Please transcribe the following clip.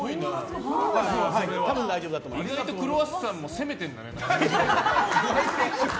意外と「クロワッサン」も攻めてるんだね。